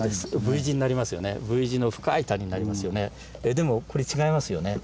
でもこれ違いますよね。